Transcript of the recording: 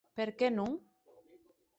Per qué non?